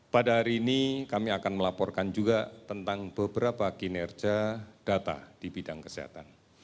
pada hari ini kami akan melaporkan juga tentang beberapa kinerja data di bidang kesehatan